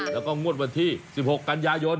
แล้วก็งวดวันที่๑๖กันยายน